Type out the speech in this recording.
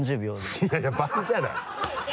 いやいやいや倍じゃない。